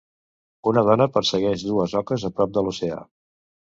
Una dona persegueix dues oques a prop de l"oceà.